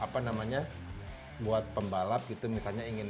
apa namanya buat pembalap gitu misalnya ingin